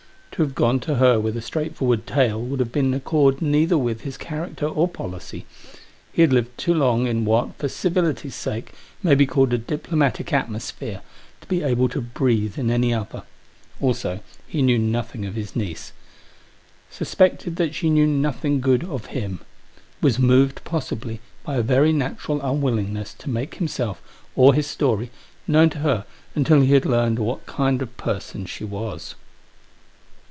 To have gone to her with a straight* forward tale would have been in accord neither with his character or policy. He had lived too long in what, for civility's sake, may be called a diplomatic atmosphere, to be able to breathe in any other. Also, he knew nothing of his niece. Suspected that she knew nothing good of him. Was moved, possibly, by a very natural unwillingness to make himself, or his story, known to her until he had learned what kind of person she was.